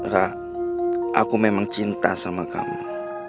ra aku memang cinta sama kamu